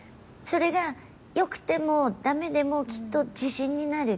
それがよくてもだめでも、きっと自信になる。